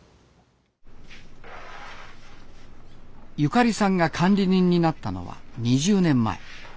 ゆかりさんが管理人になったのは２０年前。